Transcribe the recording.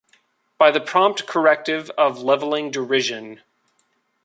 By the prompt corrective of levelling derision.